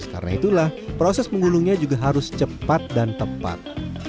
karena itulah proses menggulungnya juga harus cepat dan tepat